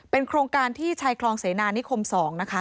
โครงการที่ชายคลองเสนานิคม๒นะคะ